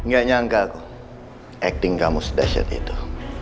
gak nyangka aku akting kamu sedasyat itu